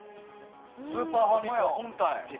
スーパーファミコン。